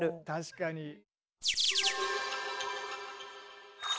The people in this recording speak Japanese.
確かに。